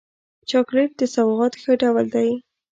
چاکلېټ د سوغات ښه ډول دی.